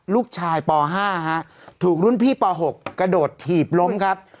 ลูกชายป๕ถูกรุ่นพี่ป๖กระโดดถีบล้มครับ